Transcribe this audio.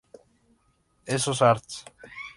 Esos Arts.